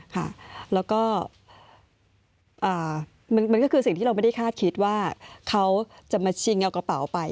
ค่ะแล้วก็มันก็คือสิ่งที่เราไม่ได้คาดคิดว่าเขาจะมาชิงเอากระเป๋าไป